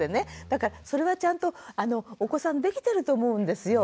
だからそれはちゃんとお子さんできてると思うんですよ。